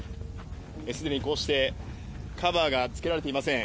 すでにこうしてカバーがつけられていません。